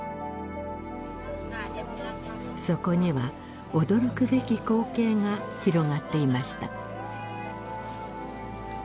そこには驚くべき光景が広がっていました。